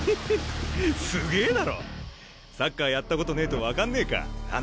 サッカーやったことねえと分かんねえか花。